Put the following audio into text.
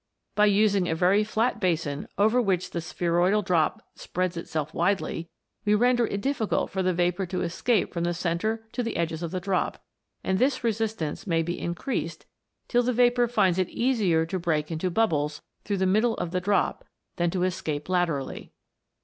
By using a very flat basin over which the spheroidal drop spreads itself widely, we render it difficult for 170 WATER BEWITCHED. the vapour to escape from the centre to the edges of the drop; and this resistance may be increased till the vapour finds it easier to break in bubbles through the middle of the drop than to escape laterally.